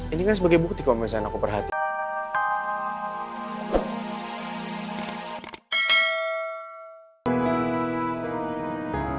ini kan sebagai bukti kalau misalnya aku perhatikan